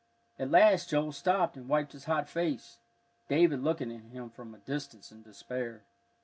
At last Joel stopped and wiped his hot face, David looking at him from a distance in despair.